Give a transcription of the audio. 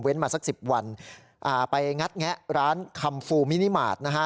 เว้นมาสักสิบวันอ่าไปงัดแงะร้านคำฟูมินิมาตรนะฮะ